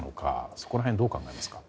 そこら辺はどう考えますか？